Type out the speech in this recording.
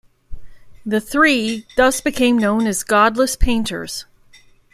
The three thus became known as "godless painters".